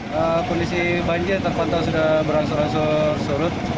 kondisi banjir terpantau sudah berangsur angsur surut